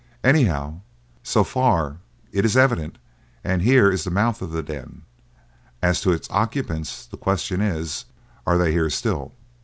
Anyhow, so far it is evident, and here is the mouth of the den. As to its occupants, the question is—Are they here still?"